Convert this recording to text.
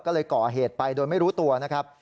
ก็เลยก่อเหตุไปโดยไม่รู้ตัวนะครับ